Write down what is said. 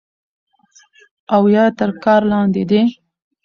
او يا تر كار لاندې دی